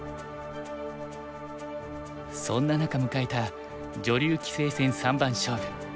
そんな中迎えた女流棋聖戦三番勝負。